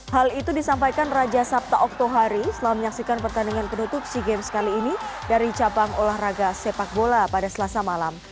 hal itu disampaikan raja sabta oktohari selama menyaksikan pertandingan penutup sea games kali ini dari cabang olahraga sepak bola pada selasa malam